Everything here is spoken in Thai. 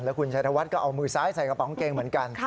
คุณชัยธวัฒน์ก็เอามือซ้ายใส่กระเป๋ากางเกงเหมือนกัน